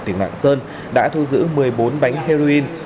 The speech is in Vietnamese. tỉnh lạng sơn đã thu giữ một mươi bốn bánh heroin